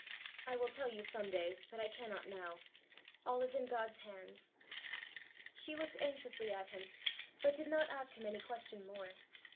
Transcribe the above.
I will tell you some day, but I cannot now. All is in God's hands!" She looked anxiously at him, but did not ask him any question more.